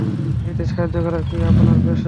মেয়েদের সাহায্য করা কি আপনার পেশা?